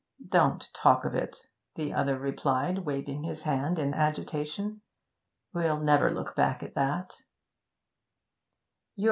'Don't talk of it,' the other replied, waving his hand in agitation. 'We'll never look back at that.'